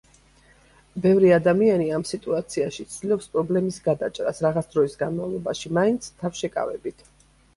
ბევრი ადამიანი ამ სიტუაციაში ცდილობს პრობლემის გადაჭრას, რაღაც დროის განმავლობაში მაინც, თავშეკავებით.